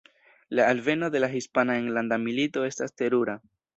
La alveno de la Hispana Enlanda Milito estas terura.